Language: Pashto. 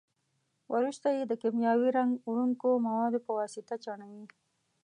وروسته یې د کیمیاوي رنګ وړونکو موادو په واسطه چاڼوي.